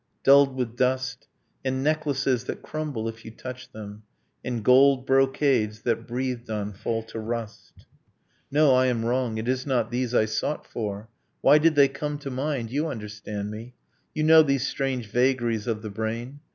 dulled with dust; And necklaces that crumble if you touch them; And gold brocades that, breathed on, fall to rust. 'No I am wrong ... it is not these I sought for ! Why did they come to mind? You understand me You know these strange vagaries of the brain!